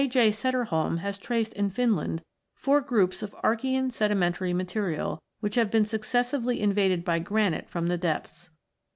J. Sederholmdo9) has traced in Finland four groups of Archaean sedimentary material, which have been successively invaded by granite from the depths.